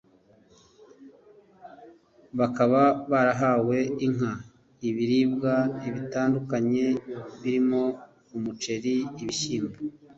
bakaba barahawe Inka ibiribwa bitandukanye birimo umuceri ibishyimbo